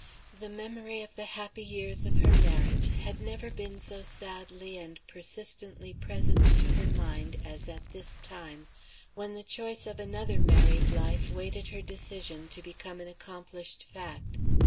The memory of the happy years of her marriage had never been so sadly and persistently present to her mind as at this time, when the choice of another married life waited her decision to become an accomplished fact.